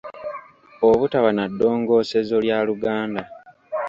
Obutaba na ddongoosezo lya Luganda